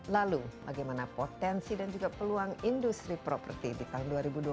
lalu bagaimana potensi dan juga peluang industri properti di tahun dua ribu dua puluh satu